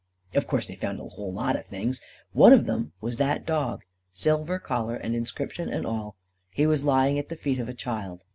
Of course they found a whole lot of things. One of them was that dog silver collar and inscription and all. He was lying at the feet of a child.